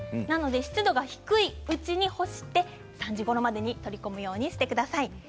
湿度が低いうちに干して３時ごろまでに取り組むようにしてください。